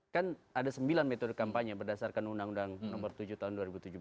kan ada sembilan metode kampanye berdasarkan undang undang nomor tujuh tahun dua ribu tujuh belas